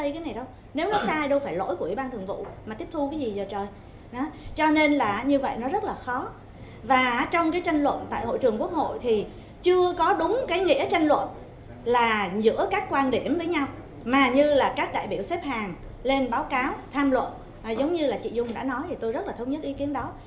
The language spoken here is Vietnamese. giống như là chị dung đã nói thì tôi rất là thống nhất ý kiến đó